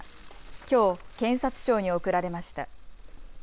きょう検察庁に送られました。